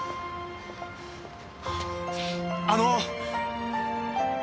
あの！